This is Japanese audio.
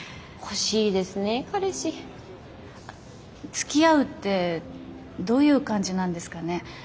つきあうってどういう感じなんですかね。